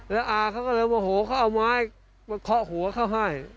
แล้วอาเขาก็เริ่มว่าโหเขาเอาไม้เคาะหัวเข้าให้